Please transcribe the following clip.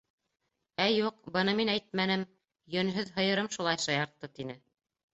— Ә юҡ, быны мин әйтмәнем, йөнһөҙ һыйырым шулай шаяртты, — тине.